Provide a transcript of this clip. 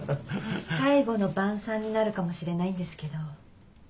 最後の晩さんになるかもしれないんですけど。